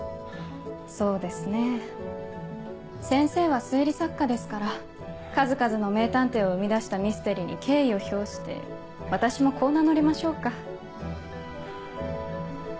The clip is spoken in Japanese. そうですね先生は推理作家ですから数々の名探偵を生み出したミステリに敬意を表して私もこう名乗りましょうか。